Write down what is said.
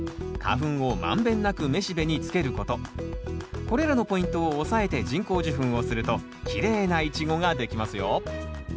更にこれらのポイントを押さえて人工授粉をするときれいなイチゴができますよ